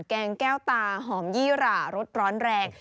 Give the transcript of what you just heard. แกงแก้วตาหอมยี่หร่ารสร้อนแรง